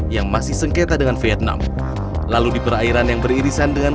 yang masih sengketa dengan vietnam lalu di perairan yang beririsan dengan